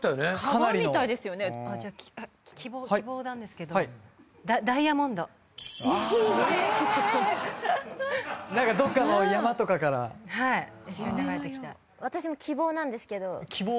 かなりの希望なんですけどはいダイヤモンドええっ何かどっかの山とかからはい一緒に流れてきた私も希望なんですけど希望？